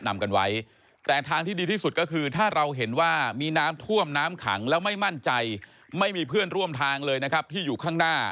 ไม่มีเพื่อนร่วมทางเลยที่อยู่ข้างหน้า